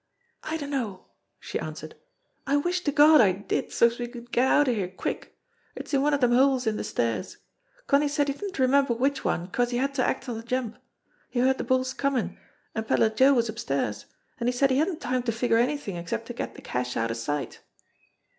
"I dunno," she answered. "I wish to Gawd I did, so's we could get outer here quick. It's in one of dem holes in de stairs. Connie said he didn't remember which one 'cause he had to act on de jump. He heard de bulls comin', an' Pedler Joe was upstairs, an' he said he hadn't time to figure anythin' except to get de cash outer sight."